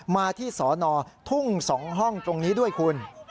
มาที่สอนอทุ่ง๒ห้องตรงนี้ด้วยคุณ